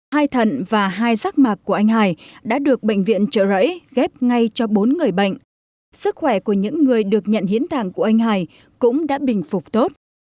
hai thận và hai giác mạc của anh hải đã được bệnh viện trợ rẫy ghép ngay cho bốn người bệnh sức khỏe của những người được nhận hiến tặng của anh hải cũng đã bình phục tốt